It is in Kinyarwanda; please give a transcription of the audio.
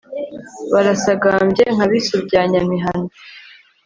barasagambye nka bisu bya nyamihana